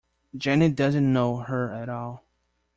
Jenny doesn't know her at all!